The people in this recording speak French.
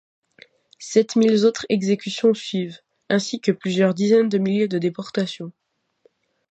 Sept mille autres exécutions suivent, ainsi que plusieurs dizaines de milliers de déportations.